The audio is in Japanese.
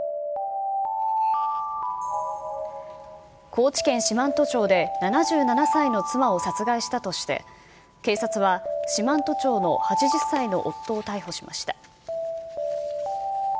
高知県四万十町で７７歳の妻を殺害したとして、警察は四万十町の８０歳の夫を逮捕しました。